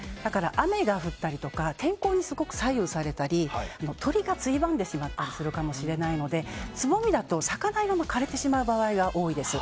雨が降ったり天候にすごく左右されたり鳥がついばんでしまったりするかもしれないのでつぼみだと咲かないまま枯れてしまう場合が多いです。